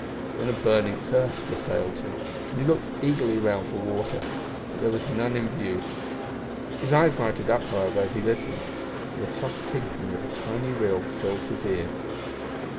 Then a burning thirst assailed him, and he looked eagerly round for water, but there was none in view. His eyes lighted up, however, as he listened, for the soft tinkling of a tiny rill filled his ear.